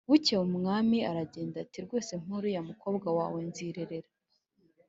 bukeye umwami aragenda ati ‘rwose mpa uriya mukobwa wawe nzirerera.